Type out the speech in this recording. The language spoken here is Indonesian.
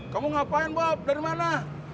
kamu ngapain bab dari mana